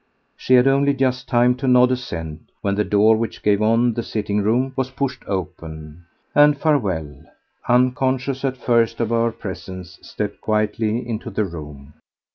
She had only just time to nod assent when the door which gave on the sitting room was pushed open, and Farewell, unconscious at first of our presence, stepped quietly into the room.